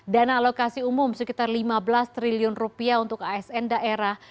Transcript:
dana alokasi umum sekitar lima belas triliun rupiah untuk asn daerah